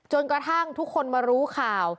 ใช่คิดว่า